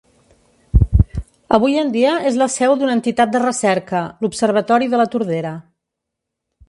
Avui en dia és la seu d'una entitat de recerca, l'Observatori de la Tordera.